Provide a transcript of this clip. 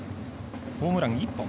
ホームラン１本。